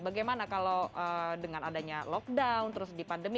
bagaimana kalau dengan adanya lockdown terus di pandemi